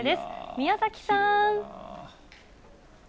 宮崎さん。